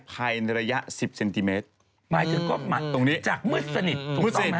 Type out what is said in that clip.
ภายในระยะสิบเซนติเมตรหมายถึงก็หมัดตรงนี้จากมืดสนิท